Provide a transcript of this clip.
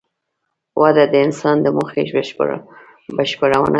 وده د انسان د موخې بشپړونه ده.